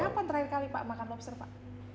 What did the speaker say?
kapan terakhir kali pak makan lobster pak